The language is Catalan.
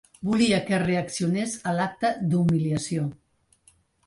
Volia que reaccionés a l’acte d’humiliació.